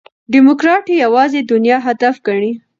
ډيموکراټ یوازي دنیا هدف ګڼي.